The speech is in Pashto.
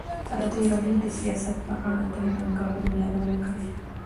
ازادي راډیو د سیاست په اړه د ننګونو یادونه کړې.